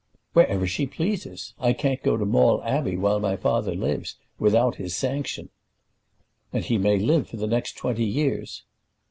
"Wherever she pleases. I can't go to Maule Abbey while my father lives, without his sanction." "And he may live for the next twenty years."